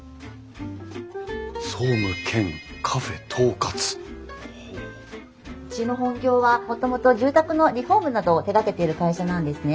「総務兼ＣＡＦＥ統括」うちの本業はもともと住宅のリフォームなどを手がけている会社なんですね。